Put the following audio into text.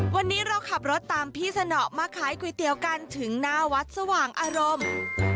วันนี้เราขับรถตามพี่สนอมาขายก๋วยเตี๋ยวกันถึงหน้าวัดสว่างอารมณ์